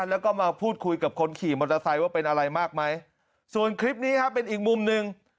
แล้วก็มาพูดคุยกับคนขี่มอเตอร์ไซค์ว่าเป็นอะไรมากไหมส่วนคลิปนี้ครับเป็นอีกมุมหนึ่ง